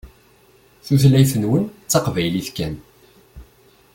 Tulayt-nwen d taqbaylit kan.